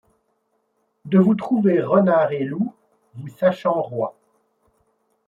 De vous trouver renards et loups, vous sachant rois.